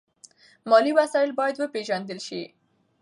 مالي وسایل باید وپیژندل شي.